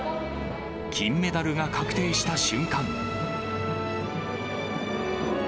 金メダルが確定した瞬間。